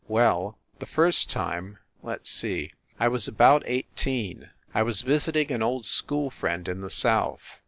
Well, the first time let s see ... I was about eighteen. I was visiting an old school friend in the South.